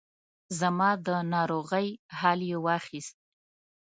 زما د ناروغۍ حال یې واخیست.